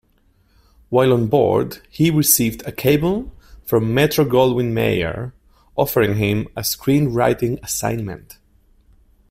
While on board, he received a cable from Metro-Goldwyn-Mayer offering him a screenwriting assignment.